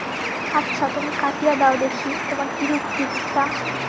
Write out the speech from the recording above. আচ্ছা, তুমি কাটিয়া দাও দেখি, তোমার কিরূপ বিদ্যা।